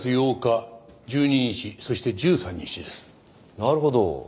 なるほど。